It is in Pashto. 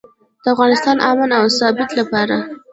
د افغانستان امن او ثبات لپاره.